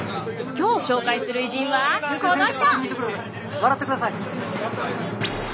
今日紹介する偉人はこの人！